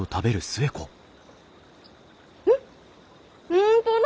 本当だ！